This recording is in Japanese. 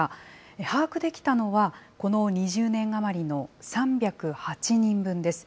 把握できたのは、この２０年余りの３０８人分です。